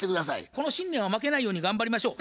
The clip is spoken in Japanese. この信念は負けないように頑張りましょう。